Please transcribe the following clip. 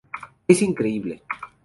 Es increíble.